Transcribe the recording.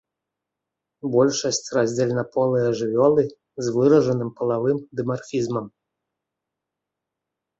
Большасць раздзельнаполыя жывёлы з выражаным палавым дымарфізмам.